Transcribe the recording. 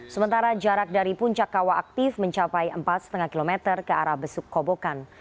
sementara jarak dari puncak kawah aktif mencapai empat lima km ke arah besuk kobokan